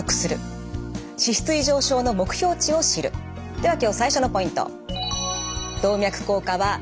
では今日最初のポイント。